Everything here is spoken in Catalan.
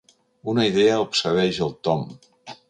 Una idea obsedeix el Tom.